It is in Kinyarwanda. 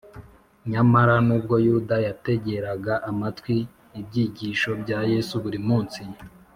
nyamara nubwo yuda yategeraga amatwi ibyigisho bya yesu buri munsi